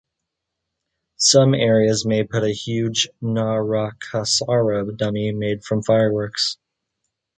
Some areas may put a huge Narakasura dummy made with fireworks.